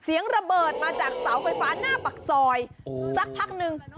เสียงระเบิดมาจากเสาไฟฟ้าหน้าปากซอยสักพักนึง